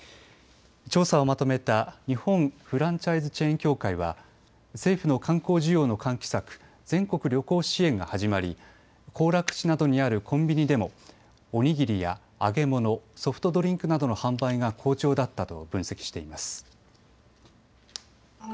調査をまとめた日本フランチャイズチェーン協会は政府の観光需要の喚起策、全国旅行支援が始まり行楽地などにあるコンビニでもお握りや揚げ物、ソフトドリンクなどの販売が好調だったと分析しています。